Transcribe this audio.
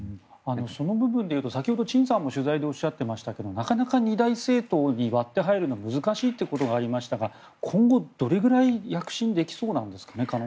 その部分で言うとさっき、チンさんも取材でおっしゃっていましたがなかなか２大政党に割って入るのは難しいということがありましたが今後どのくらい躍進できそうなんですかね？